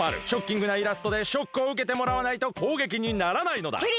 ショッキングなイラストでショックをうけてもらわないとこうげきにならないのだ！